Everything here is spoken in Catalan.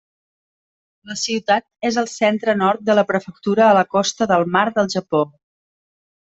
La ciutat és al centre-nord de la prefectura a la costa del mar del Japó.